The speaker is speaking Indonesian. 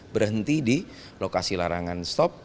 berhenti di lokasi larangan stop